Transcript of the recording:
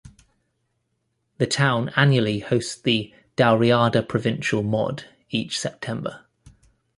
The town annually hosts the Dalriada Provincial Mod each September.